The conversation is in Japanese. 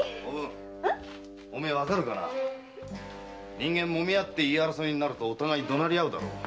人間もみ合って言い争いになるとお互い怒鳴りあうだろう？